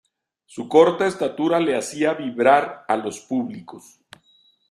Su corta estatura le hacía vibrar a los públicos.